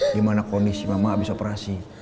gimana kondisi mama habis operasi